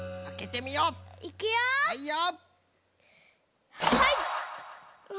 はいよ！